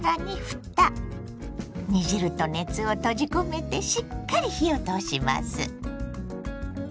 煮汁と熱を閉じ込めてしっかり火を通します。